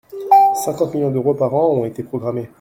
cinquante millions d’euros par an ont été programmés.